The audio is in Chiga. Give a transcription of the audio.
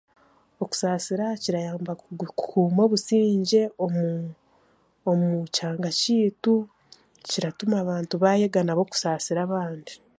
Okusaasira kirayamba kugu kukuuma obusingye omu kyanga kyaitu kiratuma abantu bayega nabo kusaasira abandi